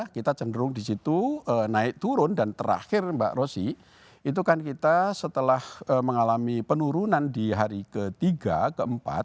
kita cenderung di situ naik turun dan terakhir mbak rosy itu kan kita setelah mengalami penurunan di hari ketiga keempat